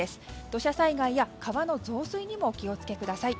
土砂災害や川の増水にもお気をつけください。